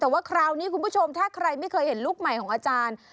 แต่ว่าคราวนี้คุณผู้ชมถ้าใครไม่เคยเห็นลูกใหม่ของอาจารย์